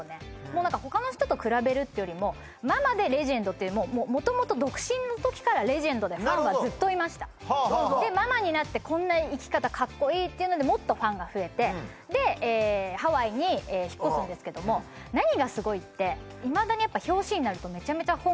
もう何か他の人と比べるっていうよりもママでレジェンドっていうよりももともと独身の時からレジェンドでファンはずっといましたでママになって「こんな生き方カッコイイ」っていうのでもっとファンが増えてでハワイに引っ越すんですけども何がすごいっていまだにああそう？